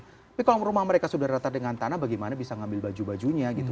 tapi kalau rumah mereka sudah rata dengan tanah bagaimana bisa ngambil baju bajunya gitu